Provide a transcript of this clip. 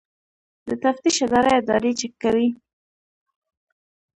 د تفتیش اداره ادارې چک کوي